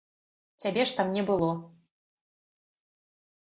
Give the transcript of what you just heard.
Цябе ж там не было.